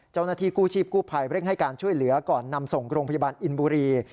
เจ้าหน้าที่กู้ชีพกู้ภัยเร่งให้การช่วยเหลือก่อนนำส่งโรงพยาบาลอินบุรี